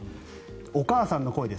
お母さんの声です。